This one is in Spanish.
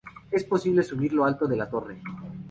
Es posible subir hasta lo alto de la torre.